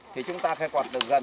thì chúng ta khai quật được gần